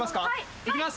いきます。